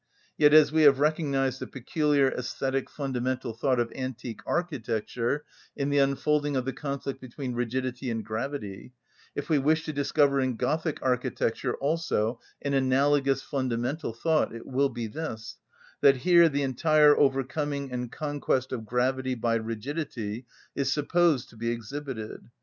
Yet as we have recognised the peculiar æsthetic fundamental thought of antique architecture in the unfolding of the conflict between rigidity and gravity, if we wish to discover in Gothic architecture also an analogous fundamental thought, it will be this, that here the entire overcoming and conquest of gravity by rigidity is supposed to be exhibited.